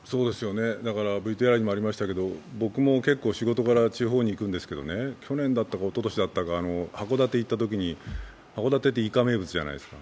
ＶＴＲにもありましたけど僕も結構、仕事柄地方に行くんですけど、去年だったかおととしだったか北海道に行って函館ってイカが名物じゃないですか。